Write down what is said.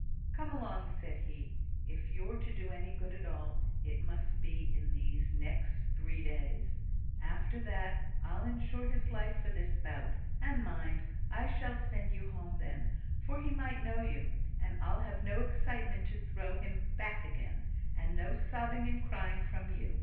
"Come along!" said he. "If you're to do any good at all, it must be in these next three days. After that, I'll ensure his life for this bout; and mind! I shall send you home then; for he might know you, and I'll have no excitement to throw him back again, and no sobbing and crying from you.